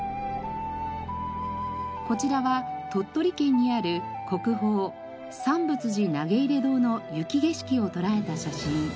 こちらは鳥取県にある国宝三仏寺投入堂の雪景色を捉えた写真。